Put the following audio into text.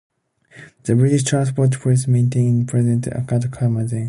The British Transport Police maintain a presence at Carmarthen.